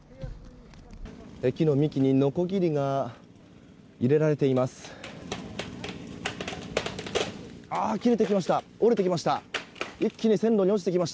木の幹にのこぎりが入れられています。